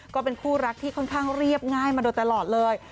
ก็เป็นคู่รักที่ค่อนข้างเรียบง่ายมาโดยตลอดเลย